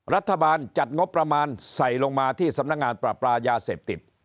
รัฐบาลจัดงบประมาณใส่ลงมาที่สำนักงานปราบปรามยาเสพติด